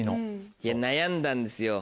いや悩んだんですよ。